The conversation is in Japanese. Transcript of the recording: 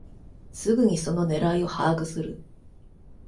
すぐにその狙いを把握する